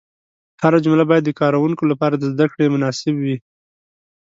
هره جمله باید د کاروونکي لپاره د زده کړې مناسب وي.